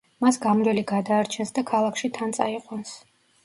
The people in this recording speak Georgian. მას გამვლელი გადაარჩენს და ქალაქში თან წაიყვანს.